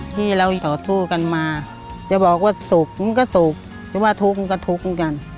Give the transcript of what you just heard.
ที่เราต่อสู้กันมาจะบอกว่าสุขมันก็สุขจะว่าทุกข์มันก็ทุกข์เหมือนกัน